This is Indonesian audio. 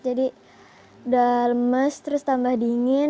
jadi udah lemes terus tambah dingin